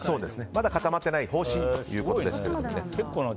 まだ固まってない方針ということですが。